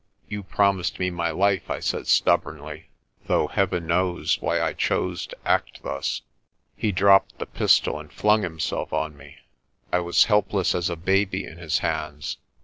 "You promised me my life," I said stubbornly, though Heaven knows why I chose to act thus. He dropped the pistol and flung himself on me. I was helpless as a baby in his hands.